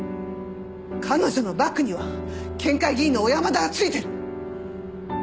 彼女のバックには県会議員の小山田がついてる。